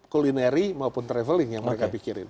kulineri maupun traveling yang mereka pikirin